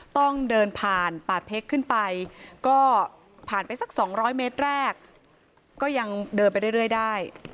ต้องเดินผ่านป่าเพกขึ้นไปก็ผ่านไปสัก๒๐๐เมตรแรกก็ยังเดินไปเรื่อยได้